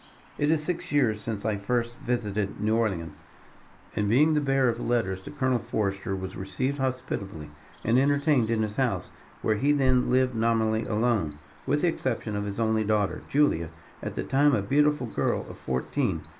"It is six years since I first visited New Orleans; and being the bearer of letters to Colonel Forester was received hospitably and entertained in his house, where he then lived nominally alone, with the exception of his only daughter, Julia, at that time a beautiful girl of fourteen.